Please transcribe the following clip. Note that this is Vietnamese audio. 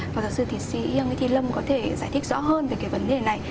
bà giáo sư thị sĩ nguyễn thiên lâm có thể giải thích rõ hơn về vấn đề này